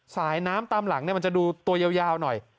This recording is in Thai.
สายน้ำตามหลังมันจะดูตัวยาวหน่อย